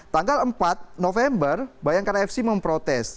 tanggal empat november bayangkara fc memprotes